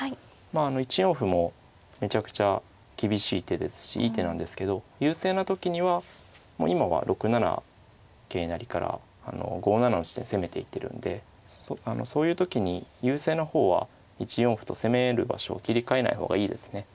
あの１四歩もめちゃくちゃ厳しい手ですしいい手なんですけど優勢な時には今は６七桂成から５七の地点攻めていってるんでそういう時優勢な方は１四歩と攻める場所を切り替えない方がいいですね。